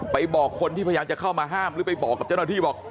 บอกคนที่พยายามจะเข้ามาห้ามหรือไปบอกกับเจ้าหน้าที่บอก